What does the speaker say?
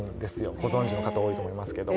ご存じの方も多いと思いますけど。